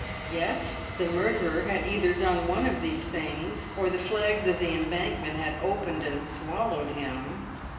Yet the murderer had either done one of these things, or the flags of the Embankment had opened and swallowed him.